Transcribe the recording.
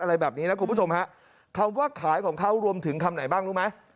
อะไรแบบนี้นะคุณผู้ชมฮะคำว่าขายของเขารวมถึงคำไหนบ้างรู้ไหม